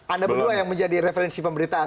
anda berdua yang menjadi referensi pemberitaan